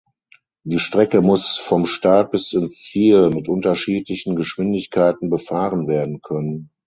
Die Strecke muss vom Start bis ins Ziel mit unterschiedlichen Geschwindigkeiten befahren werden können.